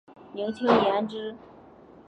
明清延之。